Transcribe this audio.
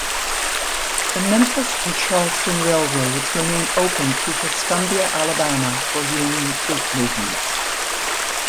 The Memphis and Charleston Railroad remained open to Tuscumbia, Alabama, for Union troop movements.